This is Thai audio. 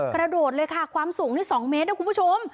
กระโดดเลยค่ะความสูงนี่๒เมตรนะคุณผู้ชม